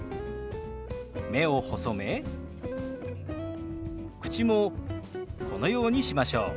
目を細め口もこのようにしましょう。